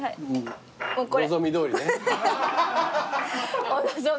お望みどおりの。